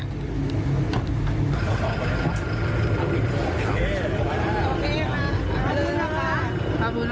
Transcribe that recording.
โอเคค่ะขอบคุณค่ะ